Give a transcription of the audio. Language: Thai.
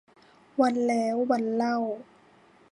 วันแล้ววันเล่า